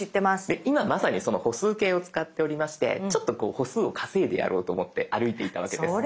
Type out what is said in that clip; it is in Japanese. で今まさにその歩数計を使っておりましてちょっとこう歩数を稼いでやろうと思って歩いていたわけです。